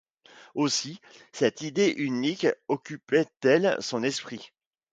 Aussi cette idée unique occupait-elle son esprit